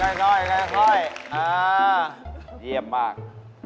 ค่อยเยี่ยมมาก